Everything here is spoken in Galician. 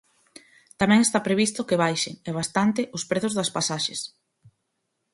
Tamén está previsto que baixen, e bastante, os prezos das pasaxes.